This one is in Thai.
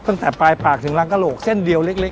ตั้งแต่ปลายปากถึงรังกระโหลกเส้นเดียวเล็ก